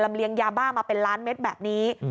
เลียงยาบ้ามาเป็นล้านเม็ดแบบนี้